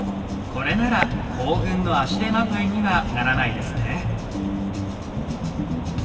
これなら行軍の足手まといにはならないですね。